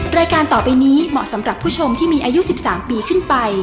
รายการต่อไปนี้เหมาะสำหรับผู้ชมที่มีอายุ๑๓ปีขึ้นไป